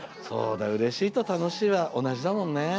そうだうれしいと楽しいは同じだもんね。